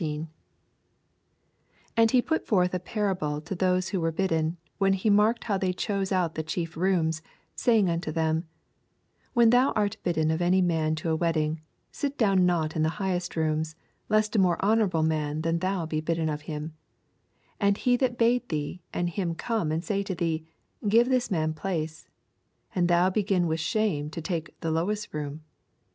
7 And he put forth a parable to those which wore blddea, when he marked how they ohosc oat the chief rooms ; saying unto them, 8 When thoa art bidden of any man to a wedding, sit not down in the highest rooms ; lest a more honorable man than thou be bidden of him ; 9 And he that bade thee and him come and say to thee, Give this man place ; and thou begin with shame to take the lowest room.